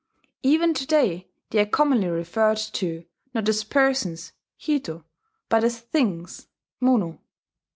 Even to day they are commonly referred to, not as persons (hito), but as "things" (mono).